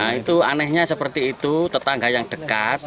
nah itu anehnya seperti itu tetangga yang dekat